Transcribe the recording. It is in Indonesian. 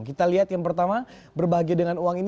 kita lihat yang pertama berbahagia dengan uang ini